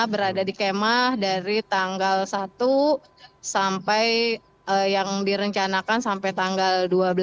berada di kemah dari tanggal satu sampai yang direncanakan sampai tanggal dua belas